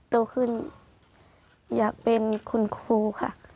โตขึ้นอยากเป็นคุณครูค่ะ